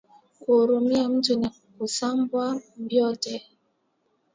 Ku rumia muntu ni kusabwa byote